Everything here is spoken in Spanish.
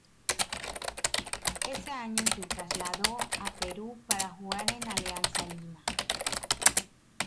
Ese año se trasladó a Perú para jugar en Alianza Lima.